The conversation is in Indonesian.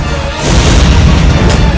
ketika kanda menang kanda menang